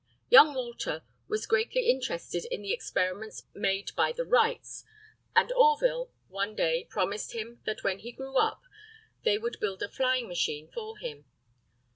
Young Walter was greatly interested in the experiments made by the Wrights, and Orville one day promised him that when he grew up they would build a flying machine for him.